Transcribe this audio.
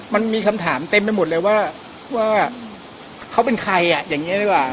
มันมีคำถามเต็มไปหมดเลยว่าว่าเขาเป็นใครอ่ะอย่างนี้ดีกว่า